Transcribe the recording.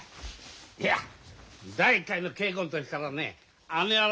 いや第１回の稽古の時からねあの野郎